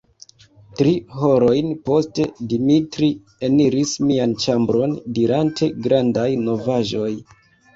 Tri horojn poste, Dimitri eniris mian ĉambron, dirante: "Grandaj novaĵoj!"